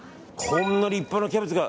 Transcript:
こんな立派なキャベツが。